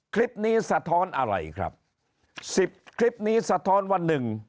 คลิปนี้สะท้อนอะไรครับ๑๐คลิปนี้สะท้อนว่า๑